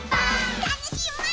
たのしい